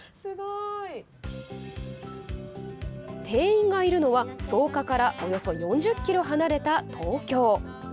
店員がいるのは、草加からおよそ４０ｋｍ離れた東京。